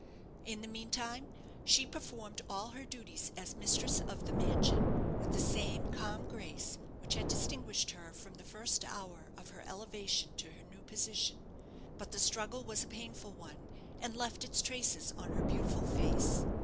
In the meantime, she performed all her duties as mistress of the mansion with the same calm grace which had distinguished her from the first hour of her elevation to her new position. But the struggle was a painful one, and left its traces on her beautiful face.